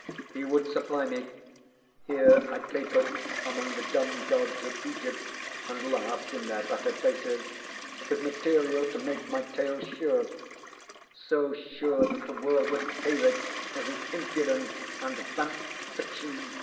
He would supply me here I capered among the dumb gods of Egypt and laughed in their battered faces with material to make my tale sure so sure that the world would hail it as an impudent and vamped fiction.